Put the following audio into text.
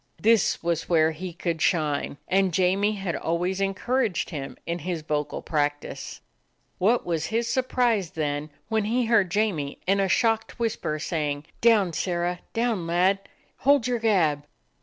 This was where he could shine, and Jamie had always encouraged him in his vocal practice. What was his surprise then when he heard Jamie, in a shocked whisper, saying: "Down, Sirrah! Down, lad! Hold your gab!"